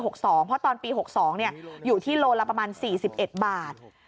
เพราะตอนปี๖๒อยู่ที่โลละประมาณ๔๑บาท